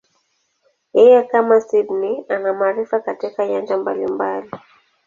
Yeye, kama Sydney, ana maarifa katika nyanja mbalimbali.